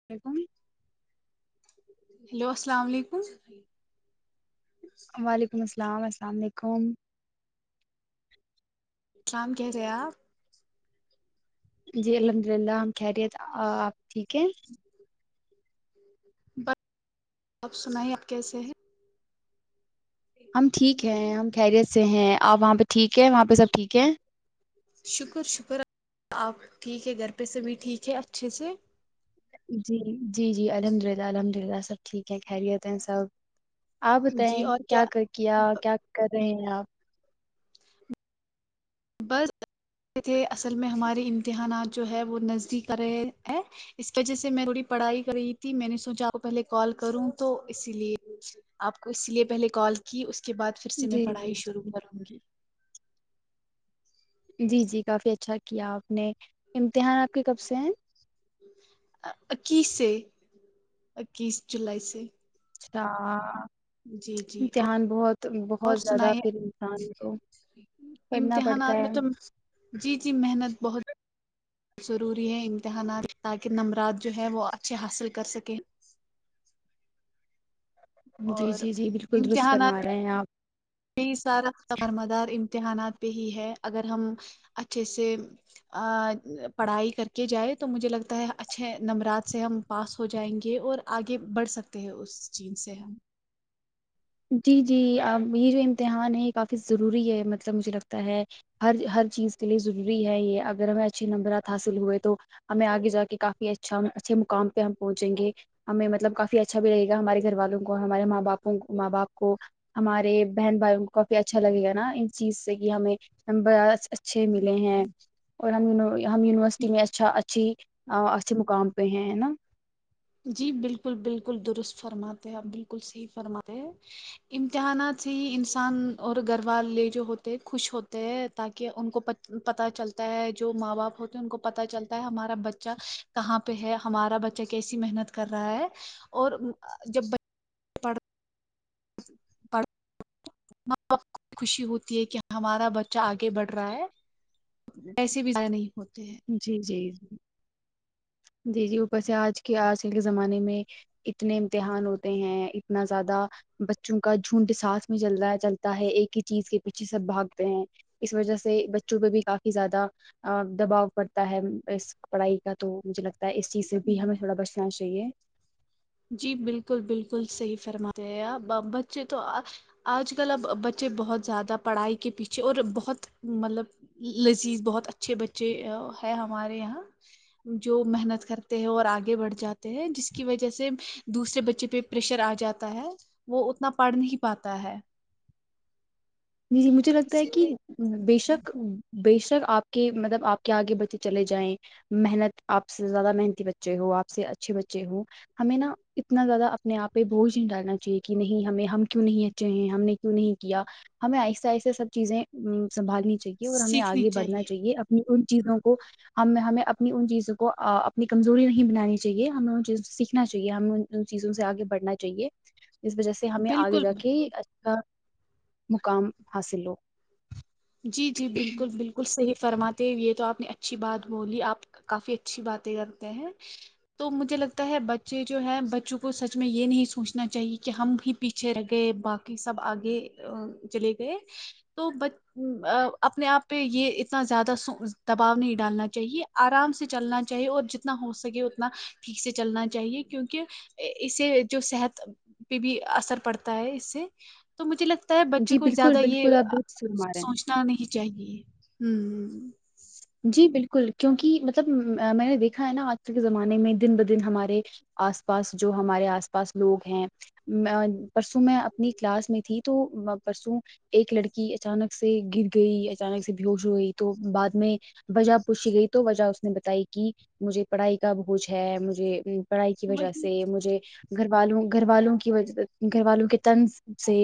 [unintelligible] Hello السلام علیکم وعلیکم السلام السلام علیکم [unintelligible] جی الحمد للہ ہم خیریت آپ ٹھیک ہے بس آپ سنائی آپ کیسے ہیں ہم ٹھیک ہیں ہم خیریت سے ہیں آپ وہاں پہ ٹھیک ہے وہاں پہ سب ٹھیک ہیں شکر شکر آپ ٹھیک ہے گھر پہ سبھی ٹھیک ہے اچھے سے جی جی جی الحمد للہ الحمد للہ سب ٹھیک ہے خیریت ہیں سب آپ جی بتائیں اور کیا کر کیا کیا کر رہے ہیں آپ بس تھے اصل میں ہمارے امتحانات جو ہے وہ نزدیک آ رہے ہیں اس کی وجہ سے میں تھوڑی پڑھائی کر رہی تھی میں نے سوچا کو پہلے کال کروں تو اسی لیے آپ کو اس لیے پہلے کال کی اس کے بعد پھر سے میں جی پڑھائی جی شروع جی کروں گی جی جی کافی اچھا کیا آپ نے امتحان آپ کے کب سے ہیں اکیس سے اکیس جولائی سے اچھا جی جی امتحان بہت اور بہت زیادہ سنائیے پھر انسان کو پڑھنا پڑتا امتحانات ہے میں تو جی جی محنت بہت ضروری ہے امتحانات تاکہ نمبرات جو ہے وہ اچھے حاصل کر سکیں جی اور جی جی بالکل درست فرما رہے ہیں آپ یہی سارا دارمدار امتحانات پہ ہی ہے اگر ہم اچھے سے پڑھائی کر کے جائے تو مجھے لگتا ہے اچھے نمرات سے ہم پاس ہو جائیں گے اور آگے بڑھ سکتے ہیں اس چیز سے ہم جی جی اب یہ جو امتحان ہے یہ کافی ضروری ہے مطلب مجھے لگتا ہے ہر ہر چیز کے لیے ضروری ہے یہ اگر ہمیں اچھے نمبرات حاصل ہوئے تو ہمیں آگے جا کے کافی اچھا اچھے مقام پہ ہم پہنچیں گے ہمیں مطلب کافی اچھا بھی رہے گا ہمارے گھر والوں کو ہمارے ماں باپوں کو ماں باپ کو ہمارے بہن بھائیوں کو کافی اچھا لگے گا نا اس چیز سے کہ ہمیں اچھے ملے ہیں اور ہم ہم یونیورسٹی میں اچھا اچھی ا اچھے مقام پہ ہیں نا جی بالکل بالکل درست فرماتے ہیں آپ بالکل صحیح فرمارہے ہیں امتحانات سے ہی انسان اور گھر والے جو ہوتے ہیں خوش ہوتے ہیں تاکہ ان کو پتا چلتا ہے جو ماں باپ ہوتے ہیں ان کو پتا چلتا ہے ہمارا بچہ کہاں پہ ہے ہمارا بچہ ایسی محنت کر رہا ہے اور جب بچ پڑ ماں باپ کو خوشی ہوتی ہے کہ ہمارا بچہ آگے بڑھ رہا ہے ایسے بھی زہ نہیں ہوتے ہیں جی جی جی جی جی اوپر سے آج کے آج کل کے زمانے میں اتنے امتحان ہوتے ہیں اتنا زیادہ بچوں کا جھونڈ ساس میں چل رہا چلتا ہے ایک ہی چیز کے پیچھے سب بھاگتے ہیں اس وجہ سے بچوں پہ بھی کافی زیادہ ا دباؤ پڑتا ہے اس پڑھائی کا تو مجھے لگتا ہے اس چیز سے بھی ہیں ہمیں تھوڑا بچنا چاہیے جی بالکل بالکل صحیح فرماتے ہیں بچے تو آ آج کل اب بچے بہت زیادہ پڑھائی کے پیچھے اور بہت مطلب لذیذ بہت اچھے بچے ہے ہمارے یہاں جو محنت کرتے ہیں اور آگے بڑھ جاتے ہیں جس کی وجہ سے دوسرے بچے پہ پریشر آ جاتا ہے وہ اتنا پڑھ نہیں پاتا ہے جی جی مجھے لگتا ہے اسی کہ لیے بے شک بےشک آپ کے مطلب آپ کے آگے بچے چلے جائیں محنت آپ سے زیادہ محنتی بچے ہو آپ سے اچھے بچے ہ ہمیں نا اتنا زیادہ اپنے آپ پہ بوجھ نہیں ڈالنا چاہیے کہ نہیں ہمیں ہم کیوں نہیں اچھے ہیں ہم نے کیوں نہیں کیا ہمیں آہستہ آہستہ سب چیزیں سنبھالنی چاہیے اور ہمیں آگے بڑھنا چاہیے ان چیزوں کو ہم ہمیں اپنی ان چیزوں کو اپنی ا کمزوری نہیں بنانی چاہیے ہمیں ان چیزوں کو سیکھنا چاہیے ہم ان چیزوں سے آگے بڑھنا چاہیے جس وجہ سے ہمیں آگے بالکل جا کے بالکل اچھا مقام حاصل ہو جی جی بالکل بالکل بلکل صحیح فرماتے یہ تو آپ نے اچھی بات بولی آپ کافی اچھی باتیں کرتے ہیں تو مجھے لگتا ہے بچے جو ہے بچوں کو سچ میں یہ نہیں سوچنا چاہیے کہ ہم بھی پیچھے رہ گئے باقی سب آگے چلے گئے تو ب اپنے آپ پہ یہ اتنا زیادہ دباؤ نہیں ڈالنا چاہیے آرام سے چلنا چاہیے اور جتنا ہو سکے اتنا ٹھیک سے چلنا چاہیے کیونکہ اسے جو صحت پہ بھی اثر پڑتا ہے اس سے تو مجھے لگتا ہے بچے جی کو بالکل، زیادہ یہ بالکل آپ درست فرما رہے ہیں۔ سوچنا نہیں چاہیے ہوں جی بالکل کیونکہ مطلب میں نے دیکھا ہے نا آج کل کے زمانے میں دن بہ دن ہمارے آس پاس جو ہمارے آس پاس لوگ ہیں پرسوں میں اپنی کلاس میں تھی تو پرسوں ایک لڑکی اچانک سے گر گئی اچانک سے بے ہوش ہو گئی تو بعد میں وجہ پوچھی گئی تو وجہ اس نے بتائی کہ مجھے پڑھائی کا بوجھ ہے مجھے پڑھائی کی وجہ وہی سے مجھے گھر والوں گھر والوں کی وجہ گھر والوں کے تنز سے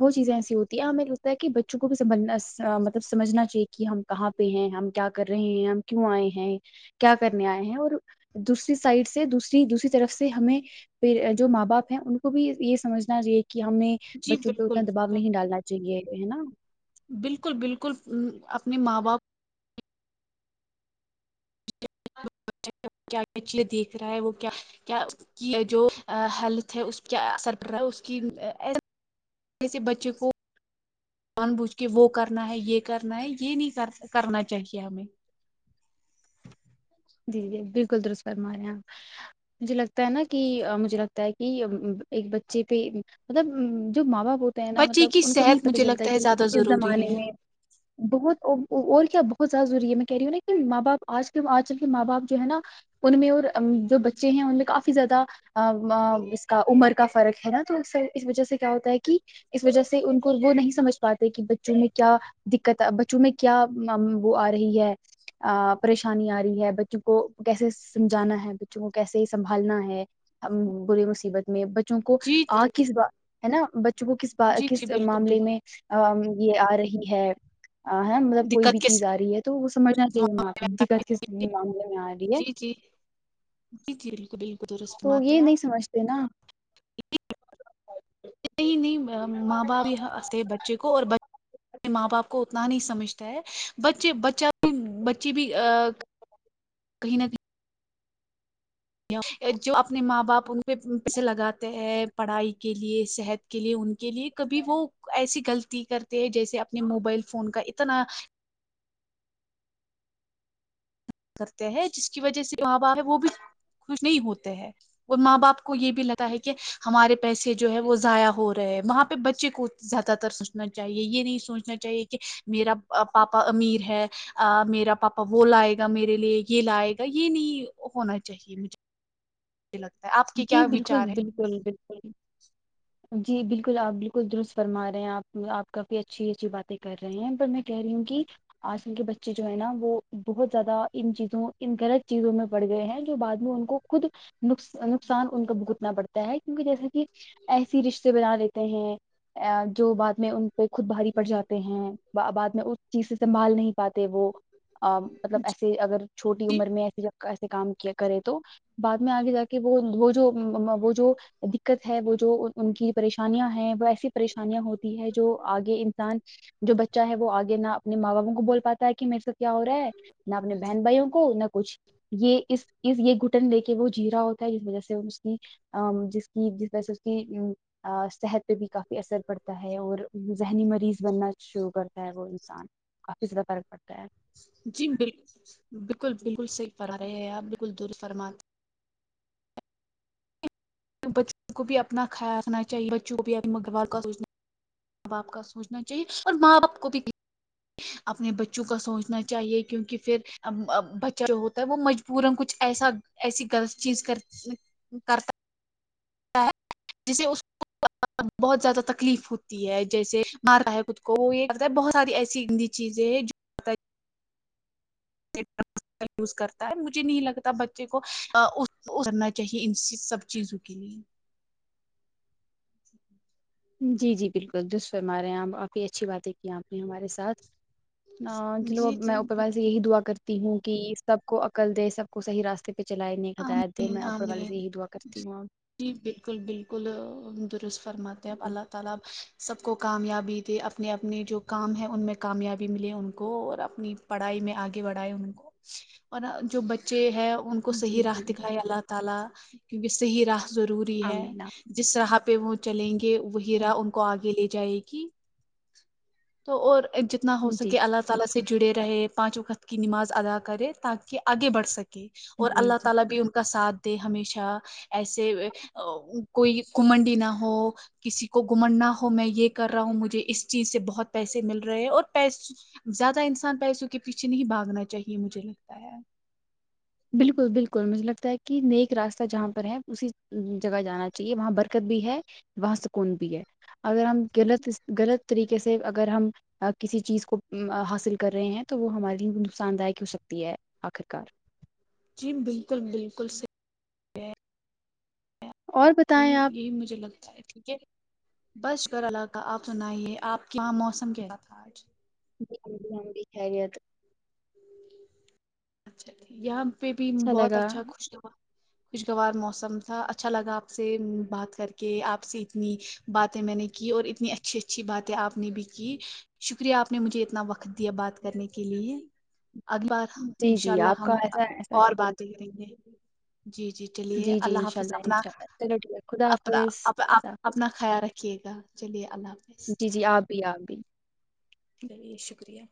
بہت چیزیں ایسی ہوتی ہے میں لگتا ہے کی بچوں کو بھی سمجھنا مطلب سمجھنا ہے کی ہم کہاں پہ ہیں ہم کیا کر رہے ہیں ہم کیوں آئے ہیں کیا کرنے آئے ہیں اور دوسری سائڈ سے دوسری دوسری طرف سے ہمیں پھر جو ماں باپ ہے ان کو بھی یہ سمجھنا چاہیے کہ ہم نے جی بچوں پہ بالکل اتنا دباؤ بالکل نہیں ڈالنا چاہیے ہے نا بالکل بالکل اپنے ماں باپ کیا کیا چے دیکھ رہا ہے وہ کیا کیا کی جو حالت ہے اس پہ کیا اثر پڑ رہا ہے اس کی ایسے بچے کو جان بوجھ کے وہ کرنا ہے یہ کرنا ہے یہ نہیں کرنا چاہیے ہمیں جی جی بالکل درست فرما رہے ہیں آپ مجھے لگتا ہے نا کہ مجھے لگ کی ایک بچے پہ مطلب جو ماں باپ ہو ہے نا بچے مطلب کی ان کو نہیں صحت پتہ مجھے چلتا لگتا ہے کہ زیادہ اس ضروری زمانے ہے میں بہت اور کیا بہت زیادہ ضروری ہے میں کہہ رہی ہوں نہ کہ ماں باپ آج کی آج آج کل کے ماں باپ جو ہے نا ان میں اور جو بچے ہیں ان میں کافی زیادہ اس کا عمر کا فرق ہے نا تو اس اس وجہ سے کیا ہوتا ہے کہ اس وجہ سے ان کو وہ نہیں سمجھ پاتے کہ بچوں میں کیا دیکت بچوں میں کیا وہ آ رہی ہے پریشانی آ رہی ہے بچوں کو کیسے سمجھانا ہے بچوں کو کیسے سنبھالنا ہے برے مصیبت میں بچوں کو جی آ کس بات ہے نا بچوں کو کس جی جی کس بالکل معاملے میں بالکل یہ آ رہی ہے ہے مطلب کوئی بھی دقت چیز کس آ رہی ہے تو وہ سمجھنا چاہیے دقت کس جی معاملے میں آ رہی ہے جی جی جی بالکل بالکل تو یہ نہیں سمجھتے نا یہ نہیں ماں باپ بھیتے بچے کو اور ماں باپ کو اتنا نہیں سمجھتا ہے بچے بچہ بھی بچے بچہ بھی کہیں نہ کہیں جو اپنے ماں باپ ان پہ پیسے لگاتے ہیں پڑھائی کے لیے صحت کے لیے ان کے لیے کبھی وہ ایسی غلطی کرتے ہیں جیسے اپنے موبائل فون کا اتنا کرتے ہیں جس کی وجہ سے وہاں باپ وہ بھی خوش نہیں ہوتے ہے وہ ماں باپ کو یہ بھی لگ ہے کہ ہمارے پیسے جو ہے وہ ضائع ہو رہے ہے وہاں پہ بچے کو زیادہ تر سوچنا چاہیے یہ نہیں سوچنا چاہیے کہ میرا پاپا امیر ہے میرا پاپا وہ لائے گا میرے لیے یہ لائے گا یہ نہیں ہونا چاہیے مجھے لگتا ہے آپ کے جی کیا بالکل وچار بالکل ہے بالکل جی بالکل آپ بالکل درست فرما رہے ہیں آپ آپ کافی اچھی اچھی باتیں کر رہے ہیں پر میں کہہ رہی ہوں کہ آج کل کے بچے جو ہے نا وہ بہت زیادہ ان چیزوں ان غلط چیزوں میں بڑ گئے ہیں جو بعد میں ان کو خود نقصان نقصان ان کو بھگتنا پڑتا ہے کیونکہ جیسے کہ ایسی رشتے بنا لیتے ہیں جو بعد میں ان پہ خود بھاری پڑ جاتے ہیں بعد میں اس چیز سے سنبھال نہیں پاتے وہ مطلب ایسے اگر چھوٹی عمر میں ایسی ایسے کام کیا کرے تو بعد میں آگے جا کے وہ وہ جو وہ جو دکت ہے وہ جو ان کی پریشانیاں ہیں وہ ایسی پریشانیاں ہوتی جو آگے انسان جو بچہ ہے وہ آگے نہ اپنے ماں باپوں کو بول پاتا ہے کہ میں سات کیا ہو رہا ہے نہ اپنے بہن بھائیوں کو نہ کچھ یہ اس یہ گھٹن لے کے وہ جیرا ہوتا جس وجہ سے جس جس وجہ سے اس کی صحت پہ بھی کافی اثر پڑتا ہے اور ذہنی مریض بننا شروع کر کرتا ہے وہ انسان کافی زیادہ فرق پڑتا ہے جی بالکل بالکل بالکل صحیح فرارے رہے ہیں آپ بالکل درست فرما بچوں کو بھی اپنا خیال رکھنا چاہیے بچوں کو بھی آپ مسقبال کا سوچنا ماں باپ کا سوچنا چاہیے اور ماں باپ کو بھی اپنے بچوں کا سوچنا چاہیے کیونکہ پھر بچہ جو ہوتا ہے وہ مجبورن کچھ ایسا ایسی غلط چیز کر کرتا [inaudible] بہت زیادہ تکلیف ہوتی ہے جیسے مارتا ہے خود کو وہ یہ کرتا ہے بہت ساری ایسی چیزیں یوز کرتا ہے مجھے نہیں لگتا بچے کو اترنا چاہیے ان سب چیزوں کے لیے جی جی بالکل درست فرمارہے ہیں آپ کافی اچھی باتیں کی آپ نے ہمارے ساتھ چلو جی میں جی اوپر بال- والے سے یہی دعا کرتی ہوں کہ سب کو عقل دے سب کو صحیح راستے پہ پہ چلائے نیک ہدات دے آمین میں اوپر والے آمین سے یہی دعا کرتی ہوں جی بالکل بالکل درست فرماتے ہیں آپ اللہ تعالی سب کو کامیابی دے اپنے اپنے جو کام ہیں ان میں کامیابی ملے ان کو اور اپنی پڑھائی میں آگے بڑھائے ان کو اور جو بچے ہیں ان کو صحیح جی راہ جی دکھاائے اللہ تعالی کیونکہ صحیح راہ ضروری ہے آمین جس راہ پہ وہ چلیں گے وہی راہ آمین ان کو آگے لے جائے گی تو اور جتنے نا ہو جی سکے اللہ تعالی سے جڑے رہے پانچ وقت کی نماز ادا کرے تاکہ آگے بڑھ سکے اور جی اللہ جی تعالی بھی ان کا ساتھ دے ہمیشہ ایسے کوئی کمنڈی نہ ہو کسی کو گھمنڈ نہ ہو میں یہ کر رہا ہوں مجھے اس چیز سے بہت پیسے مل رہے ہیں اور پس زیادہ انسان پیسوں کے پیچھے نہیں باگنا چاہیے مجھے لگتا ہے بالکل بالکل مجھے لگتا ہے کہ نیک راستہ جہاں پر ہے اسی جگہ جانا چاہیے وہاں برکت بھی ہے وہاں سکون بھی ہے اگر ہم غلط غلط طریقے سے اگر ہم کسی چیز کو حاصل کر رہے ہیں تو وہ ہمارے لیے نقصان دائک ہو سکتی ہے آخرکار جی بالکل بالکل صحیح اور یہی بتائیں آپ یہی مجھے لگتا ہے ٹھیک ہے بس شکر اللہ کا آپ سنائیے آپ کے یہاں موسم کیسا تھا آج [unintelligible] اچھا یہاں پہ بھی بہت اچھا خوش نما خوشگوار موسم تھا اچھا لگا آپ سے بات کر کے آپ سے اتنی باتیں میں نے کی اور اتنی اچھی اچھی باتیں آپ نے بھی کی شکریہ آپ نے مجھے اتنا وقت دیا بات کرنے کے لیے اگلی بار جی، انشاء جی، آپ اللہ کا ہم ایسا ایسا اور شکر ہے۔ باتیںیں کرینگے جی جی چلیے جی، اللہ انشاء حافظ اپنا انشاء اللہ، چلو ٹھیک ہے، خدا اپنا حافظ، خدا حافظ، اپنا خیال رکھیے گا چلیے اللہ حافظ [unintelligible] چلیے شکریہ